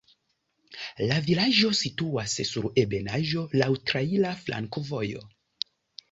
La vilaĝo situas sur ebenaĵo, laŭ traira flankovojo.